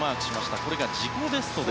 これが自己ベスト。